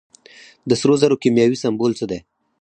د سرو زرو کیمیاوي سمبول څه دی.